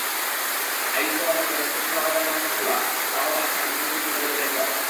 ISO বাজার রাষ্ট্রের খোলাবাজারের মতো খোলা, তারও আছে আন্তর্জাতিক যোগাযোগের নেটওয়ার্ক।